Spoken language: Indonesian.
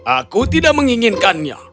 aku tidak menginginkannya